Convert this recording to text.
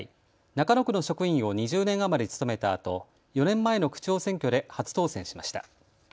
中野区の職員を２０年余り務めたあと４年前の区長選挙で初当選しました。